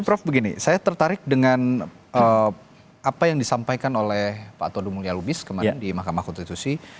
prof begini saya tertarik dengan apa yang disampaikan oleh pak todung mulya lubis kemarin di mahkamah konstitusi